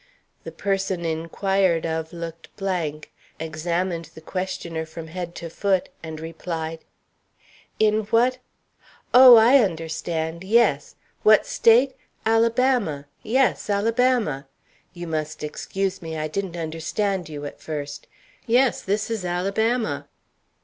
The person inquired of looked blank, examined the questioner from head to foot, and replied: "In what oh! I understand; yes. What State Alabama, yes, Alabama. You must excuse me, I didn't understand you at first. Yes, this is Alabama."